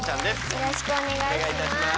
よろしくお願いします。